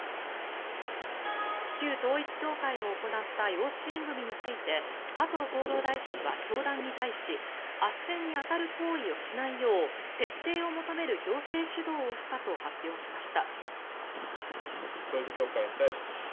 旧統一教会の行った養子縁組について加藤厚労大臣は教団に対しあっせんに当たる行為をしないよう徹底を求める行政指導をしたと発表しました。